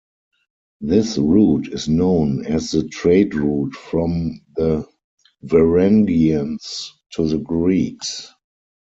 This route is known as the trade route from the Varangians to the Greeks.